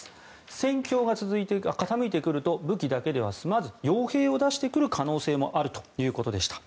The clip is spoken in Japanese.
戦況が傾いてくると武器だけでは済まず傭兵を出してくる可能性もあるということでした。